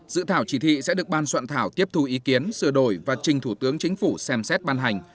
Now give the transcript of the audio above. dự thảo chỉ thị sẽ được ban soạn thảo tiếp thu ý kiến sửa đổi và trình thủ tướng chính phủ xem xét ban hành